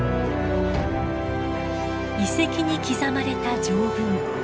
遺跡に刻まれた条文。